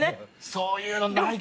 そういうのないか？